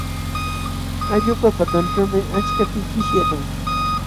Allqupa patanćhuumi achka pikish yaćhan.